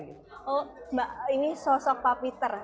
kemudian apa yang diajarkan yang selalu melekat jadi mbak dewi sendiri